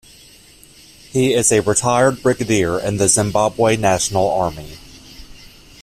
He is a retired Brigadier in the Zimbabwe National Army.